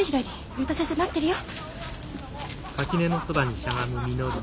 竜太先生待ってるよ。